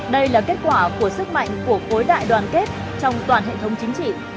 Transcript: đây là kết quả của sức mạnh của khối đại đoàn kết trong toàn hệ thống chính trị